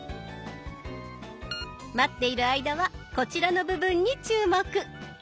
待っている間はこちらの部分に注目。